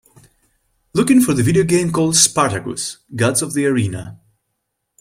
Looking for the video game called Spartacus: Gods of the Arena